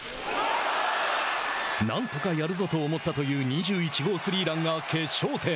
なんとかやるぞと思ったという２１号スリーランが決勝点。